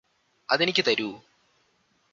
അതെനിക്ക് തരൂ